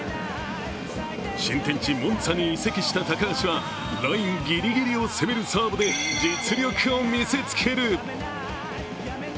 新天地モンツァに移籍した高橋は、ラインぎりぎりを攻めるサーブで実力を見せつける！